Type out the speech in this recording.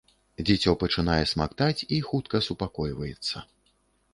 Дзіцё пачынае смактаць і хутка супакойваецца.